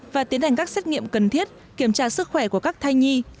và tiến hành các xét nghiệm cần thiết kiểm tra sức khỏe của các thai nhi